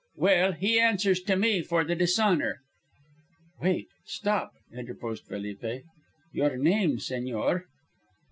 Well, he answers to me for the dishonour." "Wait. Stop!" interposed Felipe. "Your name, señor."